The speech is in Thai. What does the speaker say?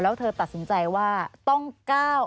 แล้วเธอตัดสินใจว่าต้องก้าว